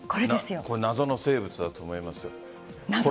これ、謎の生物だと思います。